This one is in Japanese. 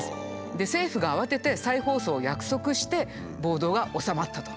で政府が慌てて再放送を約束して暴動が収まったと。